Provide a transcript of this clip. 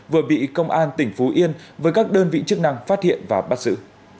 vừa bị công an tỉnh phú yên với các đơn vị chức năng phát hiện và bắt giữ